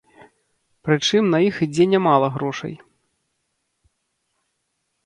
Прычым на іх ідзе нямала грошай.